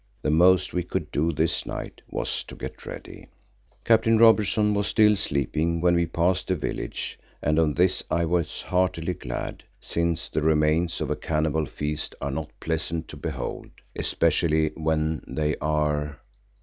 The most we could do this night was to get ready. Captain Robertson was still sleeping when we passed the village and of this I was heartily glad, since the remains of a cannibal feast are not pleasant to behold, especially when they are——!